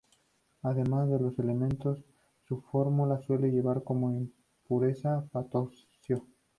Además de los elementos de su fórmula, suele llevar como impureza potasio.